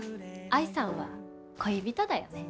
愛さんは恋人だよね。